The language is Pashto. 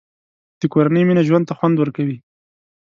د کورنۍ مینه ژوند ته خوند ورکوي.